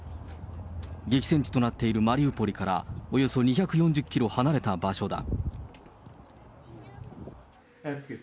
激戦地となっているマリウポリからおよそ２４０キロ離れた場所だ。